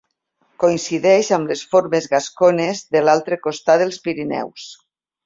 Coincideix amb les formes gascones de l'altre costat dels Pirineus.